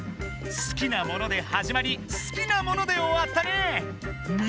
好きなものではじまり好きなものでおわったね！